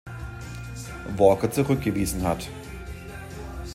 Walker zurückgewiesen hat.